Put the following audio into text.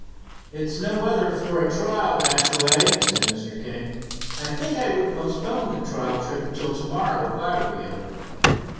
"It's no weather for a trial, Dashaway," said Mr. King, "I think I would postpone the trial trip until tomorrow, if I were you."